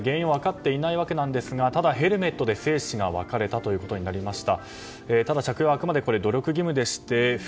今回の事故ですがまだ原因は分かっていないんですがただ、ヘルメットで生死が分かれたということになりました。